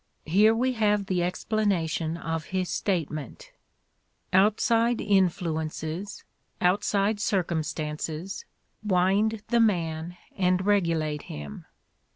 Here we have the explanation of his statement: "Outside influences, outside circum stances, wind the man and regulate him.